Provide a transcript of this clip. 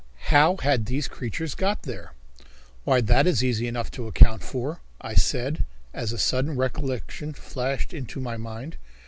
How had these creatures got there? "Why, that is easy enough to account for," I said, as a sudden recollection flashed into my mind.